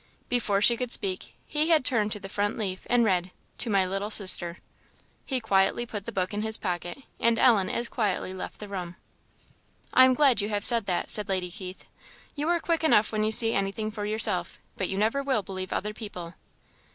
Before she could speak, he had turned to the front leaf, and read, "To my little sister." He quietly put the book in his pocket, and Ellen as quietly left the room. "I am glad you have said that," said Lady Keith. "You are quick enough when you see anything for yourself, but you never will believe other people."